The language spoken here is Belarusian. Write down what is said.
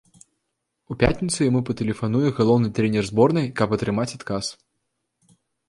У пятніцу яму патэлефануе галоўны трэнер зборнай, каб атрымаць адказ.